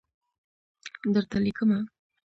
درته لیکمه